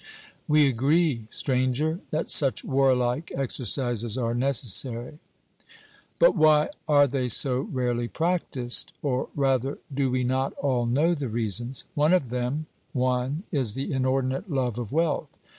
'We agree, Stranger, that such warlike exercises are necessary.' But why are they so rarely practised? Or rather, do we not all know the reasons? One of them (1) is the inordinate love of wealth.